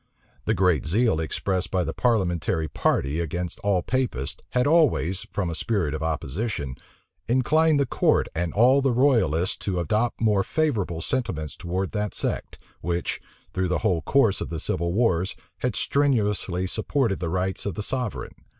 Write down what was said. The great zeal expressed by the parliamentary party against all Papists, had always, from a spirit of opposition, inclined the court and all the royalists to adopt more favorable sentiments towards that sect, which, through the whole course of the civil wars, had strenuously supported the rights of the sovereign.